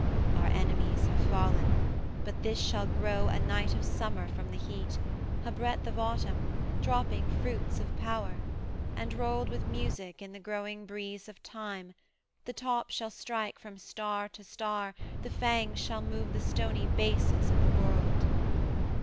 'Our enemies have fallen, but this shall grow A night of Summer from the heat, a breadth Of Autumn, dropping fruits of power: and rolled With music in the growing breeze of Time, The tops shall strike from star to star, the fangs Shall move the stony bases of the world.